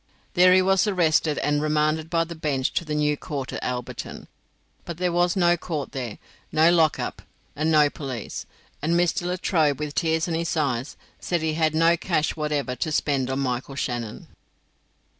There he was arrested, and remanded by the bench to the new court at Alberton. But there was no court there, no lock up, and no police; and Mr. Latrobe, with tears in his eyes, said he had no cash whatever to spend on Michael Shannon.